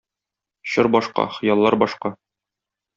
Чор башка, хыяллар башка.